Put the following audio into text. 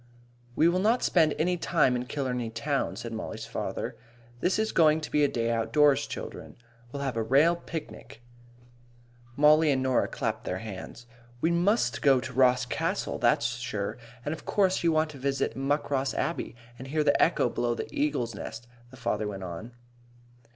"We will not spend any time in Killarney town," said Mollie's father. "This is going to be a day outdoors, childer. We'll have a rale picnic." Mollie and Norah clapped their hands. "We must go to Ross Castle, that's sure. And of course you want to visit Muckross Abbey and hear the echo below the Eagle's Nest," the farmer went on.